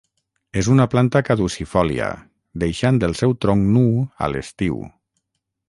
És una planta caducifòlia, deixant el seu tronc nu a l'estiu.